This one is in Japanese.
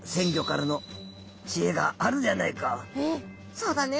「そうだね。